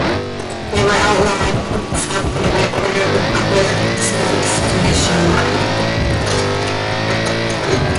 They were outlawed from the subway by order of the Public Service Commission.